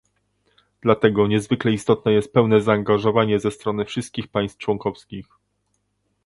Dlatego niezwykle istotne jest pełne zaangażowanie ze strony wszystkich państw członkowskich